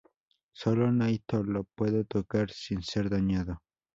Sólo Naito lo puede tocar sin ser dañado.